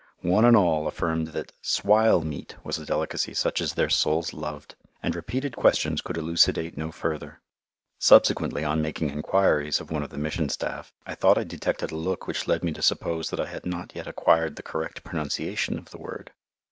One and all affirmed that "swile" meat was a delicacy such as their souls loved and repeated questions could elucidate no further. Subsequently, on making enquiries of one of the Mission staff, I thought I detected a look which led me to suppose that I had not yet acquired the correct pronunciation of the word.